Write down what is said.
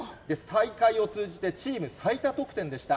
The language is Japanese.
大会を通じてチーム最多得点でした。